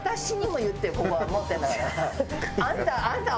あんたあんたは。